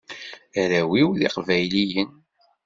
Arraw-iw d iqbayliyen.